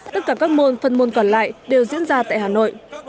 tất cả các môn phân môn còn lại đều diễn ra tại hà nội